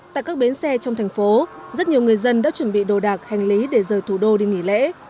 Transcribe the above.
tại các bến xe trong thành phố rất nhiều người dân đã chuẩn bị đồ đạc hành lý để rời thủ đô đi nghỉ lễ